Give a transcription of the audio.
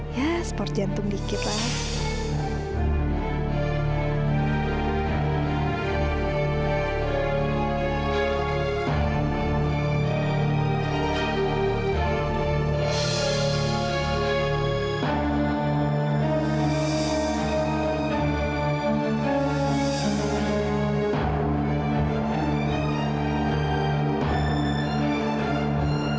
ya sport jantung dikit lah